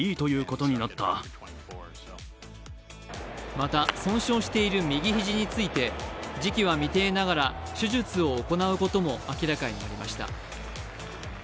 また、損傷している右肘について時期は未定ながら、手術を行うことも明らかになりました。